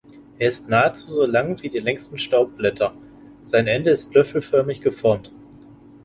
Er ist nahezu so lang wie die längsten Staubblätter, sein Ende ist löffelförmig geformt.